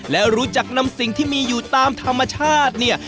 และรู้จักนำสิ่งที่มีอยู่ตามธรรมชาติเนี่ย